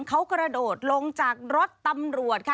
เขากระโดดลงจากรถตำรวจค่ะ